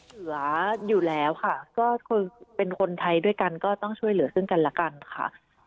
เหลืออยู่แล้วค่ะก็คือเป็นคนไทยด้วยกันก็ต้องช่วยเหลือซึ่งกันละกันค่ะ